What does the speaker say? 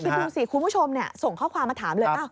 ดูสิคุณผู้ชมส่งข้อความมาถามเลย